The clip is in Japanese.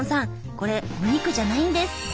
これお肉じゃないんです！